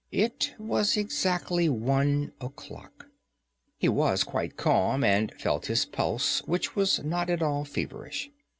It was exactly one o'clock. He was quite calm, and felt his pulse, which was not at all feverish.